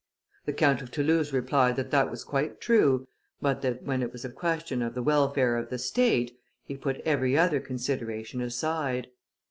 The Count of Toulouse replied that that was quite true, but that, when it was a question of the welfare of the State, he put every other consideration aside.